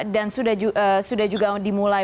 dan sudah juga dimulai